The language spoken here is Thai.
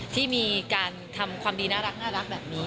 ที่มีการทำความดีน่ารักแบบนี้